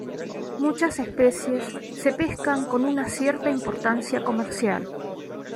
Muchas especies se pescan con una cierta importancia comercial.